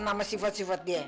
nama sifat sifat dia